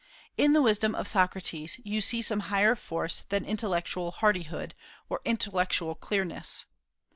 In the wisdom of Socrates you see some higher force than intellectual hardihood or intellectual clearness.